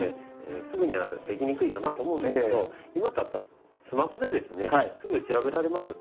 すぐにはできにくいかなと思うんですけど今だったらスマホですぐ調べられます。